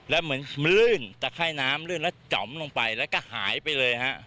แล้วเหมือนลื่นตะไข้น้ำลื่นแล้วจ๋อมลงไปแล้วก็หายไปเลยฮะ